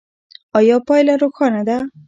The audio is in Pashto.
ایا پایله روښانه ده؟